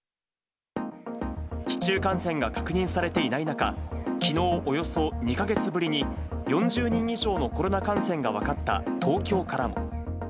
市中感染が確認されていない中、きのうおよそ２か月ぶりに４０人以上のコロナ感染が分かった東京からも。